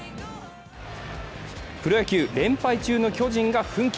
プロ野球、連敗中の巨人が奮起。